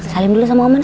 kalian dulu sama om ana